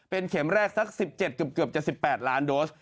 เป็นเข็มแรกสัก๑๗เกือบจะ๑๘ล้านโดส